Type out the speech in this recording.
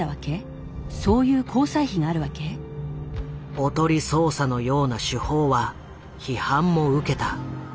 「おとり捜査」のような手法は批判も受けた。